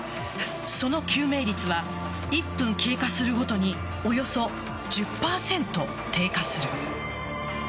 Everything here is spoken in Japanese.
その救命率は１分経過するごとにおよそ１０％低下する。